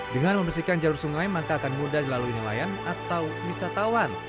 dengan membersihkan jalur sungai maka akan mudah dilalui nelayan atau wisatawan